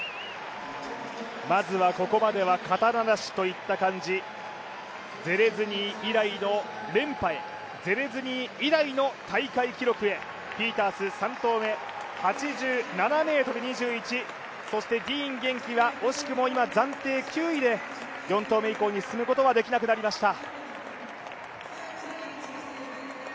まずはここまでは肩ならしといった感じ、ゼレズニー以来の連覇へゼレズニー以来の大会記録へ、ピータース、３投目、８７ｍ２１、そしてディーン元気は惜しくも今、暫定９位で４投目以降に進むことはできなくなりました。